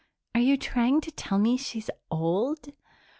"Are you trying to tell me she's old?"